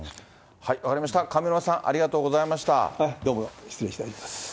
分かりました、上村さん、ありがとうございました。